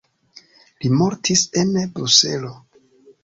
Li mortis en Bruselo.